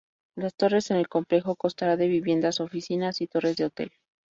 Las torres en el complejo constará de viviendas, oficinas y torres de hotel.